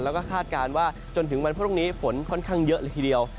แล้วก็คาดการณ์ว่าจนถึงวันพรุ่งนี้ฝนค่อนข้างเยอะเลยทีเดียว